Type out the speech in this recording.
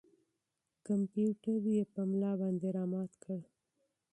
کمپیوټر یې په ملا باندې را مات کړ.